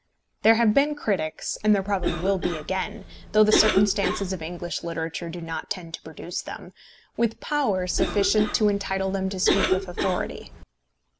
There have been critics, and there probably will be again, though the circumstances of English literature do not tend to produce them, with power sufficient to entitle them to speak with authority.